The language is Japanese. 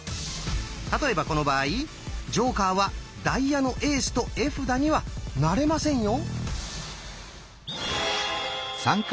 例えばこの場合ジョーカーはダイヤのエースと絵札にはなれませんよ。